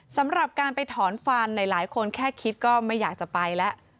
สำหรับการไปถอนฟันหลายคนแค่คิดก็ไม่อยากจะไปแล้ว